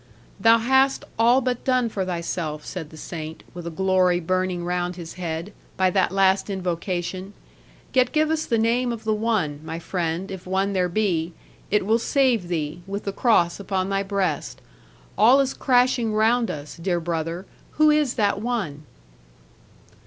'Thou hast all but done for thyself,' said the saint, with a glory burning round his head; 'by that last invocation. Yet give us the name of the one, my friend, if one there be; it will save thee, with the cross upon thy breast. All is crashing round us; dear brother, who is that one?'